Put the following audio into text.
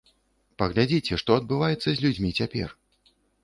Паглядзіце, што адбываецца з людзьмі цяпер.